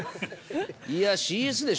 いやＣＳでしょ？